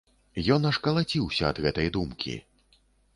Ён аж калаціўся ад гэтай думкі.